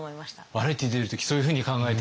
バラエティーに出る時そういうふうに考えて？